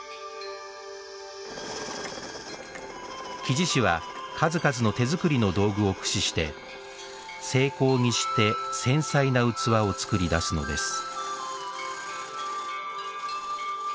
木地師は数々の手作りの道具を駆使して精巧にして、繊細な器を作り出すのです。